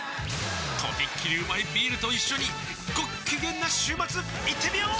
とびっきりうまいビールと一緒にごっきげんな週末いってみよー！